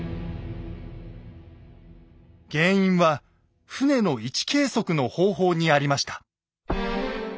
原因は船の位置計測の方法にありました。